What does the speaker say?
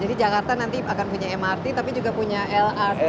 jadi jakarta nanti akan punya mrt tapi juga punya lrt